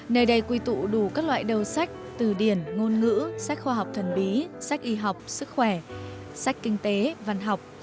nơi đây quy tụ đủ các loại đầu sách từ điển ngôn ngữ sách khoa học thần bí sách y học sức khỏe sách kinh tế văn học